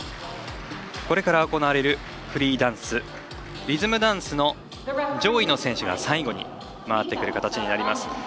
これから行われるフリーダンスリズムダンスの上位の選手が最後に回ってくる形になります。